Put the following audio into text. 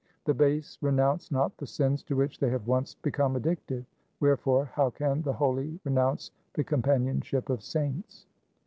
The base renounce not the sins to which they have once bacome addicted. Wherefore how can the holy renounce the companionship of saints